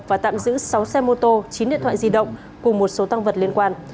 và tạm giữ sáu xe mô tô chín điện thoại di động cùng một số tăng vật liên quan